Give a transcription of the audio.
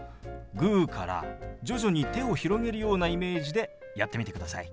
グーから徐々に手を広げるようなイメージでやってみてください。